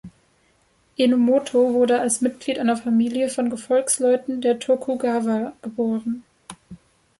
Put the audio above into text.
Enomoto wurde als Mitglied einer Familie von Gefolgsleuten der Tokugawa geboren.